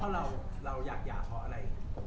เราอยากหย่าเพราะอะไร